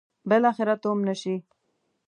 بالاخره تومنه شي.